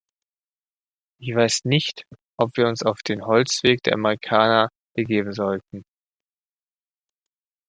Ich weiß nicht, ob wir uns auf den Holzweg der Amerikaner begeben sollten.